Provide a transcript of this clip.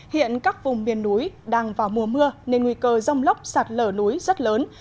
hiện các vùng miền núi đang vào mùa mưa nên nguy cơ rông lốc sạt lở núi rất lớn